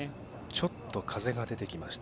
ちょっと風が出てきました。